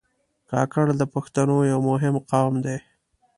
کاکړ د پښتنو یو مهم قوم دی.